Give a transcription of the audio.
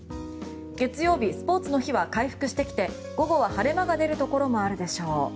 月曜日、スポーツの日は回復してきて午後は晴れ間が出るところもあるでしょう。